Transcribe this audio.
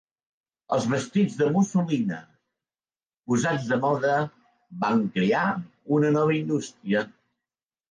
Els vestits de mussolina, posats de moda, van crear una nova indústria.